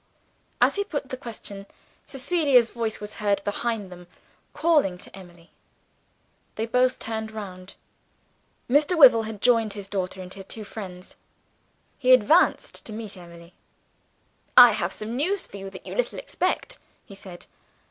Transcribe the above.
As he put the question, Cecilia's voice was heard behind them, calling to Emily. They both turned round. Mr. Wyvil had joined his daughter and her two friends. He advanced to meet Emily. "I have some news for you that you little expect," he said.